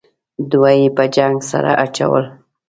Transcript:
دوه یې په جنگ سره اچول.